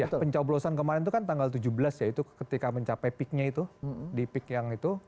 iya pencoblosan kemarin itu kan tanggal tujuh belas ya itu ketika mencapai peaknya itu di peak yang itu